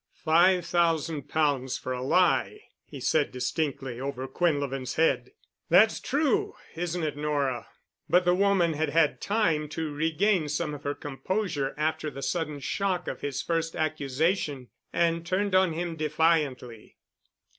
"Five thousand pounds for a lie," he said distinctly over Quinlevin's head. "That's true, isn't it, Nora?" But the woman had had time to regain some of her composure after the sudden shock of his first accusation and turned on him defiantly.